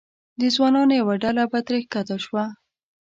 د ځوانانو یوه ډله به ترې ښکته شوه.